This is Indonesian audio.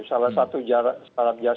salah satu jarak jasus itu dia kan bukan